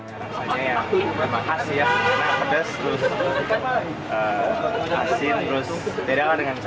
sate yang khas ya pedas asin beda dengan sate sate yang lain